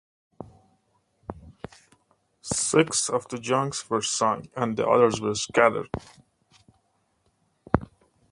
Six of the junks were sunk and the others were scattered.